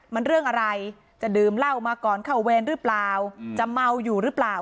มันเรื่องอะไรจะดื่มเหล้ามาก่อนเข้าเวรหรือเปล่าจะเมาอยู่หรือเปล่า